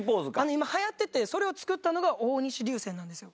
今流行っててそれを作ったのが大西流星なんです。